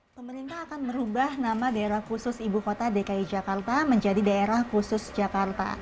pemerintah akan merubah nama daerah khusus ibu kota dki jakarta menjadi daerah khusus jakarta